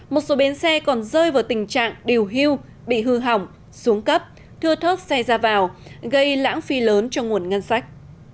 một số bến xe còn rơi vào tình trạng điều hưu bị hư hỏng xuống cấp thưa thớt xe ra vào gây lãng phí lớn cho nguồn ngân sách